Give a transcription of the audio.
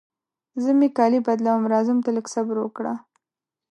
زه مې کالي بدلوم، راځم ته لږ صبر وکړه.